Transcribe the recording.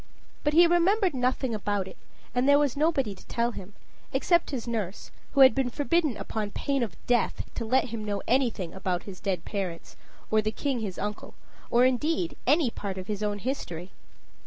But he remembered nothing about it, and there was nobody to tell him, except his nurse, who had been forbidden upon pain of death to let him know anything about his dead parents, or the king his uncle, or indeed any part of his own history.